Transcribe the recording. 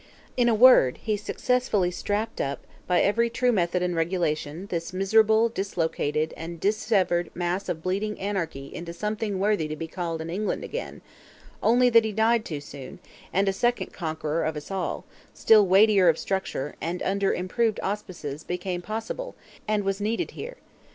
In a word, he successfully strapped up, by every true method and regulation, this miserable, dislocated, and dissevered mass of bleeding Anarchy into something worthy to be called an England again; only that he died too soon, and a second "Conqueror" of us, still weightier of structure, and under improved auspices, became possible, and was needed here!